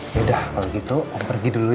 yaudah kalau gitu om pergi dulu ya